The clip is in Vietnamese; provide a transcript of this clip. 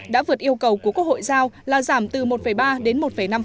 đã vượt yêu cầu của quốc hội giao là giảm từ một ba đến một năm